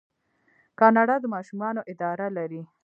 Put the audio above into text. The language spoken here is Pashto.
کاناډا د ماشومانو اداره لري.